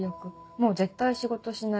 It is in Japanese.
もう絶対仕事しない。